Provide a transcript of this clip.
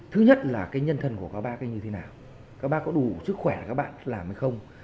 thứ nhất là cái nhân thân của các bác như thế nào các bác có đủ sức khỏe các bạn làm hay không